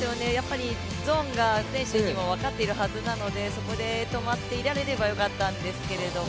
ゾーンが選手にも分かっているはずなのでそこで止まっていられればよかったんですけども。